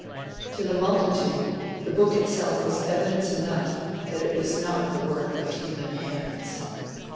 To the multitude, the book itself was evidence enough that it was not the work of human hands.